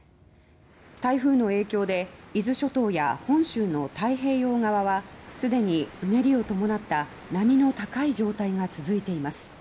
台風の影響で伊豆諸島や本州の太平洋側は既にうねりを伴った波の高い状態が続いています。